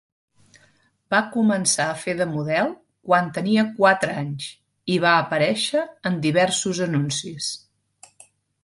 Va començar a fer de model quan tenia quatre anys i va aparèixer en diversos anuncis.